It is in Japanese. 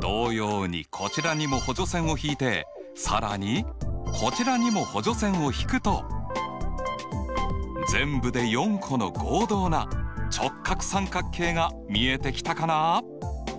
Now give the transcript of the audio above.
同様にこちらにも補助線を引いて更にこちらにも補助線を引くと全部で４個の合同な直角三角形が見えてきたかな？